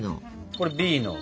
これＢの。